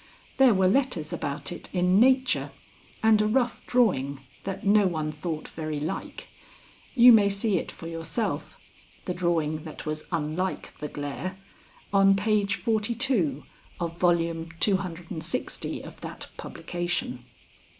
There were letters about it in Nature, and a rough drawing that no one thought very like. (You may see it for yourself the drawing that was unlike the glare on page 42 of Vol. cclx. of that publication.)